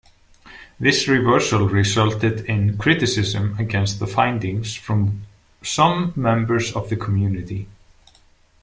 This reversal resulted in criticism against the findings from some members of the community.